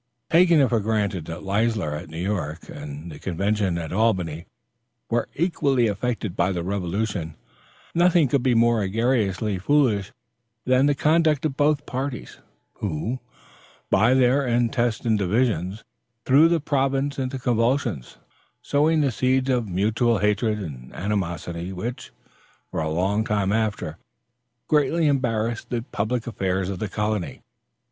Taking it for granted that Leisler at New York and the convention at Albany were equally affected by the revolution, nothing could be more egregiously foolish than the conduct of both parties, who, by their intestine divisions, threw the province into convulsions, sowing the seeds of mutual hatred and animosity, which, for a long time after, greatly embarrassed the public affairs of the colony.